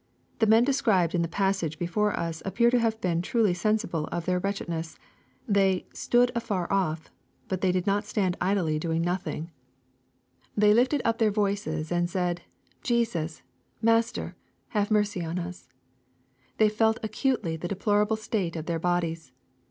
The men described in the passage before us appear to have been truly st^nsible of their wretchedness. They '' stood afar off ;"— but they did not stand idly doing nothing. " They lifted up their voices 232 EXPOSITORY THOUGHTS. and said, Jesus, Master, have mercy on us/' They felt acutely the deplorable state of their bodies.